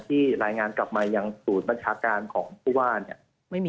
แต่ว่ารายงานกลับมาอย่างศูนย์บัญชาการของผู้ว่า